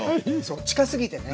近すぎてね。